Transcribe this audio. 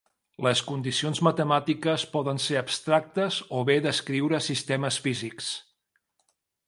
Les condicions matemàtiques poden ser abstractes o bé descriure sistemes físics.